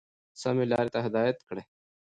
سمي لاري ته هدايت كړي،